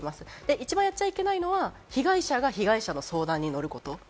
一番やっちゃいけないのは、被害者が被害者の相談にのること。